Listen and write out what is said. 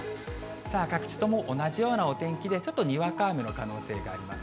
さあ、各地とも同じようなお天気でちょっとにわか雨の可能性があります。